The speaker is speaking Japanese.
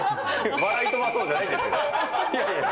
笑い飛ばそうじゃないんですよ。